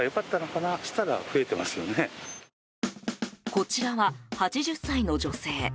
こちらは、８０歳の女性。